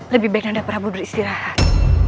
lebih baik anda prabu beristirahat